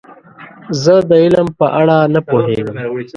زه د علم په اړه نه پوهیږم.